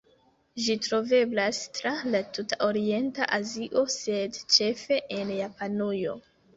Ĝi troveblas tra la tuta orienta Azio, sed ĉefe en Japanujo.